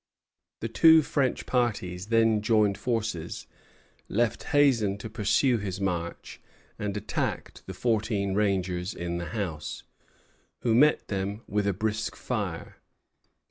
The two French parties then joined forces, left Hazen to pursue his march, and attacked the fourteen rangers in the house, who met them with a brisk fire.